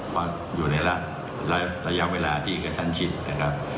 ว่าอยู่ในระยะเวลาที่กระชั้นชิดนะครับ